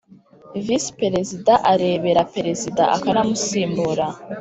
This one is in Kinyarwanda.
Visi perezida arebera perezida akanamusimbura